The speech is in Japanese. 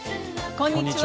こんにちは。